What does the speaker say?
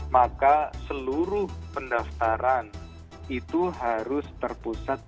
maka seluruh pendaftaran itu harus terpusat